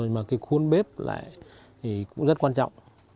nhưng mà cái khuôn bếp lại cũng rất quan trọng